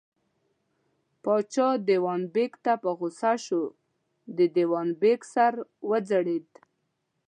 پاچا دېوان بېګ ته په غوسه شو، د دېوان بېګ سر وځړېد.